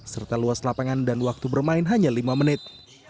serta luas lapangan dan waktu bermain hanya lima menit